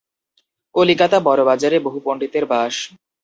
কলিকাতা বড়বাজারে বহু পণ্ডিতের বাস।